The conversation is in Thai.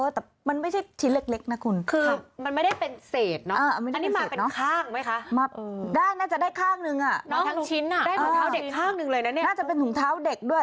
ได้น่าจะได้ข้างนึงน่าจะเป็นถุงเท้าเด็กด้วย